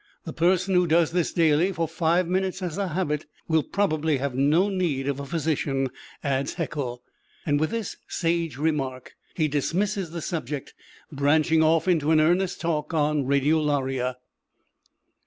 "The person who does this daily for five minutes as a habit will probably have no need of a physician," adds Haeckel, and with this sage remark he dismisses the subject, branching off into an earnest talk on radiolaria.